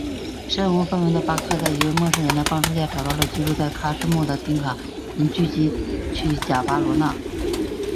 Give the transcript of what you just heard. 身无分文的巴克在一位陌生人的帮助下找到了居住在喀土穆的丁卡人聚居区贾巴罗纳。